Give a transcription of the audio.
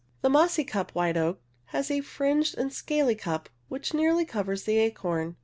The mossy cup white oak has a fringed and scaly cup which nearly covers the acorn.